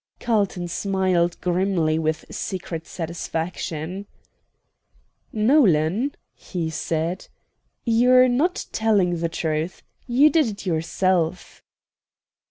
Carlton smiled grimly with secret satisfaction. "Nolan," he said, "you're not telling the truth. You did it yourself."